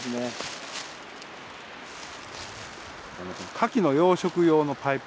カキの養殖用のパイプ。